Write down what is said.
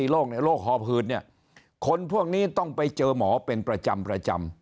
๓๔โรคโรคหอพืชเนี่ยคนพวกนี้ต้องไปเจอหมอเป็นประจำ